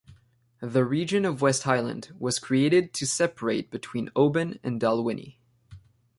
The region of West Highland was created to separate between Oban and Dalwhinnie.